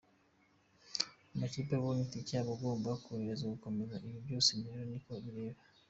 Amakipe abonye tike aba agomba koroherezwa gukomeza, ibi byose rero ni twe bireba.